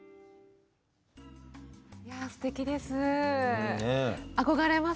すてきです。